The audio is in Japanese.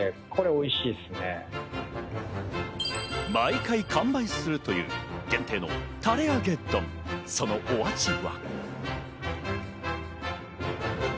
毎回、完売するという限定のたれ揚げ丼、そのお味は。